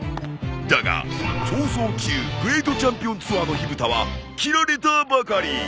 ［だが逃走中グレートチャンピオンツアーの火ぶたは切られたばかり！］